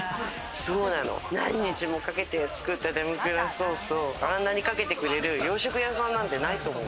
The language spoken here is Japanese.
そうなの、何日もかけて作ったデミグラスソースをあんなにかけてくれる洋食屋さんなんてない。